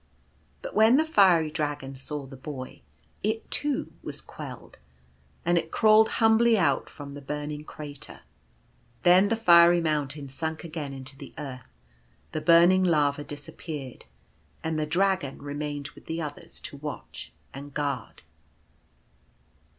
But when the fiery Dragon saw the Boy it, too, was quelled; and it crawled humbly out from the burning crater. Then the fiery mountain sunk again into the earth, the burning lava disappeared ; and the Dragon remained with the others to watch and guard.